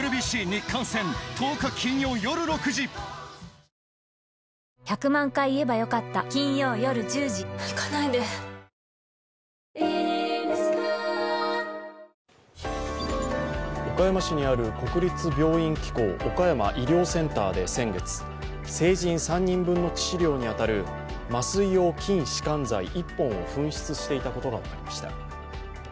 確定申告終わってもｆｒｅｅｅ岡山市にある国立病院機構岡山医療センターで先月、成人３人分の致死量に当たる麻酔用筋しかん剤１本を紛失していたことが分かりました。